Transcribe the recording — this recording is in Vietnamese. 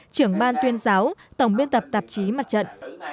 trưởng ban tuyên giáo tổng biên tập tạp chí mặt trận